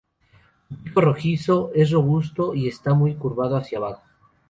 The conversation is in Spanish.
Su pico rojizo es robusto y está muy curvado hacia abajo.